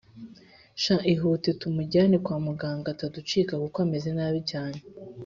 sha ihute tumujyane kwamuganga ataducika kuko ameze nabi cyane